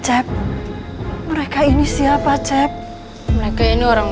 cep mereka ini siapa cep mereka ini orang